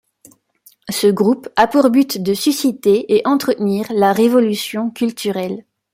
Ce groupe a pour but de susciter et entretenir la Révolution culturelle.